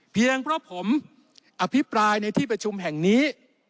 เพียงเพราะผมอภิปรายในที่ประชุมแห่งนี้